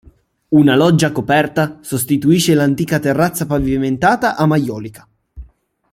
Una loggia coperta sostituisce l'antica terrazza pavimentata a maiolica.